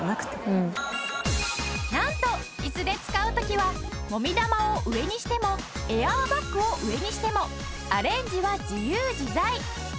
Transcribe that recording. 「うん」なんと椅子で使う時はもみ玉を上にしてもエアーバッグを上にしてもアレンジは自由自在。